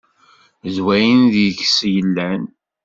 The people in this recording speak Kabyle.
D wayen deg-s yellan.